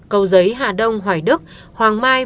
cầu giấy hà đông hoài đức hoàng mai